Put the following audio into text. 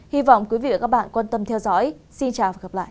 hy vọng quý vị và các bạn quan tâm theo dõi xin chào và hẹn gặp lại